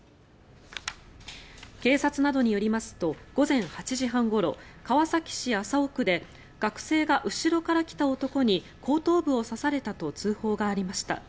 警察などによりますと午前８時半ごろ、川崎市麻生区で学生が後ろから来た男に後頭部を刺されたと通報がありました。